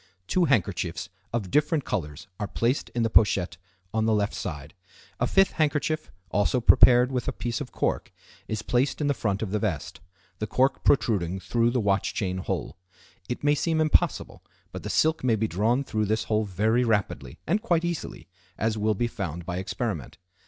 Two handkerchiefs of different colors are placed in the pochette on the left side. A fifth handkerchief, also prepared with a piece of cork, is placed in the front of the vest, the cork protruding through the watch chain hole. It may seem impossible, but the silk may be drawn through this hole very rapidly, and quite easily, as will be found by experiment.